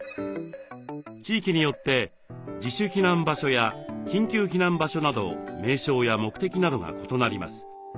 地域によって「自主避難場所」や「緊急避難場所」など名称や目的などが異なります。